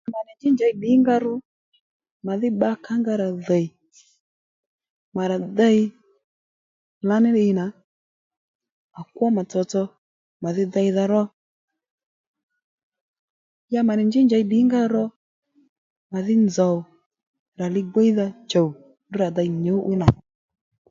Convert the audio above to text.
Mà nì njí njěy ddǐngǎ ro màdhí bba kàó nga rà dhìy ma rà dey lǎní ddiy nà à kwó mà tsotso màdhí déydha ró ya mànì njí njěy ddǐngǎ ro màdhí nzòw rà ligwíydha chùw ndrǔ rà dey nyǔ'wiy nà